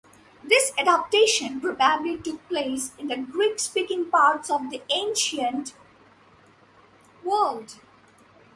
This adaptation probably took place in the Greek-speaking parts of the ancient world.